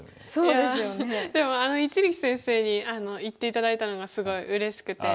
いやでも一力先生に言って頂いたのがすごいうれしくて。